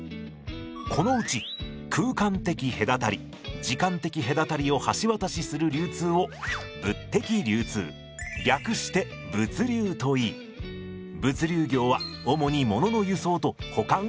このうち空間的隔たり時間的隔たりを橋渡しする流通を物的流通略して物流といい物流業は主にものの輸送と保管を担っています。